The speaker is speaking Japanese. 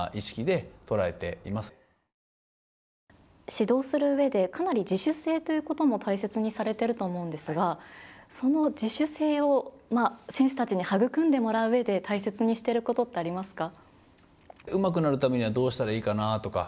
指導するうえでかなり自主性ということも大切にされてると思うんですがその自主性を選手たちに育んでもらううえで大切にしてることってありますか。